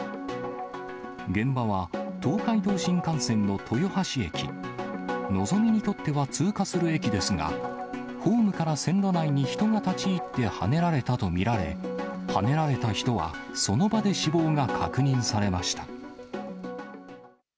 現場は東海道新幹線の豊橋駅、のぞみにとっては通過する駅ですが、ホームから線路内に人が立ち入ってはねられたと見られ、はねられた人はその場で死亡が確認されました。